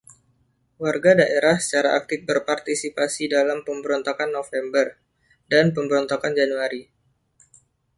Warga daerah secara aktif berpartisipasi dalam Pemberontakan November dan Pemberontakan Januari.